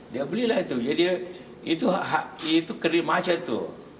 dia belilah itu jadi itu kerimacan itu